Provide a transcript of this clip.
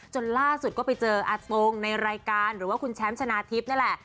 จนล่าสุดก็ไปเจออาตงในรายการหรือว่าคุณแชมป์ชนะทิพย์นี่แหละ